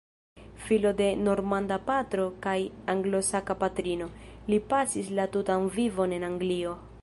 Filo de normanda patro kaj anglosaksa patrino, li pasis la tutan vivon en Anglio.